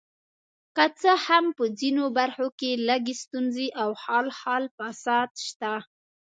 که څه هم په ځینو برخو کې لږې ستونزې او خال خال فساد شته.